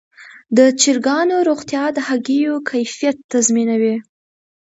د چرګانو روغتیا د هګیو کیفیت تضمینوي.